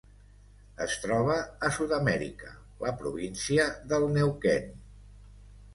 Es troba a Sud-amèrica: la província del Neuquén.